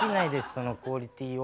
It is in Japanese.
そのクオリティーを。